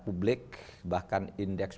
publik bahkan indeks